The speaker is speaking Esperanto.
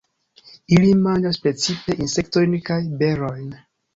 Ili manĝas precipe insektojn kaj berojn.